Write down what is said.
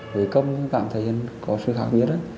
với cầm thì cảm thấy có sự khác biệt